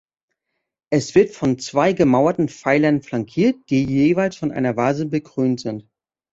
Es wird von zwei gemauerten Pfeilern flankiert, die jeweils von einer Vase bekrönt sind.